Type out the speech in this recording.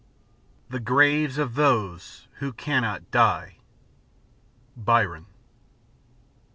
" The graves of those who cannot die." BYKON.